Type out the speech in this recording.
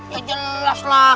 ya jelas lah